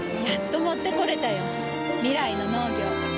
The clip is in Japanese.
やっと持ってこれたよ。未来の農業。